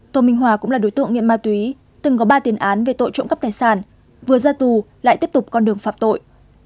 tô minh hòa cũng là đối tượng nghiện ma túy từng có ba tiền án về tội trộm cắp tài sản vừa ra tù lại tiếp tục con đường phạm tội